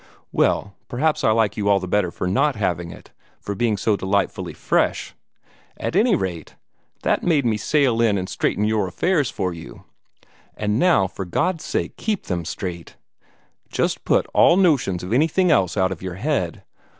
Well, perhaps I like you all the better for not having it for being so delightfully fresh. At any rate, that made me sail in and straighten your affairs for you. And now, for God's sake, keep them straight. Just put all notions of anything else out of your head.